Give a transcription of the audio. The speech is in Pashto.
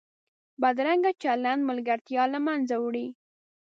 بدرنګه چلند ملګرتیا له منځه وړي